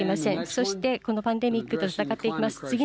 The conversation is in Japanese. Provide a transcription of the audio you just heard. そしてこのパンデミックと闘っていきます。